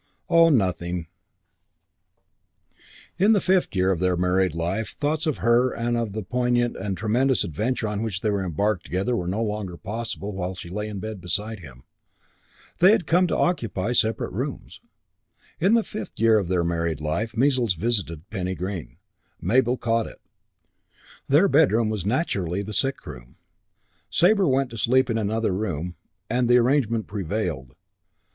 One nature? CHAPTER III I One nature? In the fifth year of their married life thoughts of her and of the poignant and tremendous adventure on which they were embarked together were no longer possible while she lay in bed beside him. They had come to occupy separate rooms. In the fifth year of their married life measles visited Penny Green. Mabel caught it. Their bedroom was naturally the sick room. Sabre went to sleep in another room, and the arrangement prevailed.